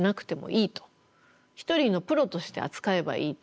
一人のプロとして扱えばいいと。